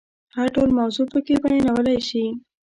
هر ډول موضوع پکې بیانولای شي.